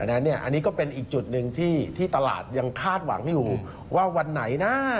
อันนี้ก็เป็นอีกจุดหนึ่งที่ตลาดยังคาดหวังอยู่ว่าวันไหนนะ